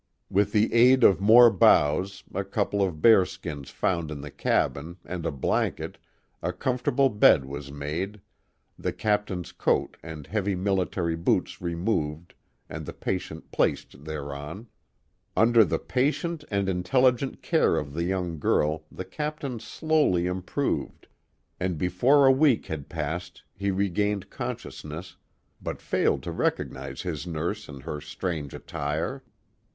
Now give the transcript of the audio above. With the aid of more boughs, a couple of bearskins found in the cabin, and a blanket, a comfortable bed was made, the cap tain's coat and heavy military boots removed, and the patient placed thereon. Legend of Mrs. Ross 251 Under the patient and intelligent care of the young girl the captain slowly improved, and before a week had passed he re gained consciousness, but failed to recognize his nurse in her strange attire.